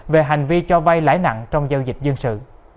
về hành vi cho vay lãi nặng trong giao dịch dân sự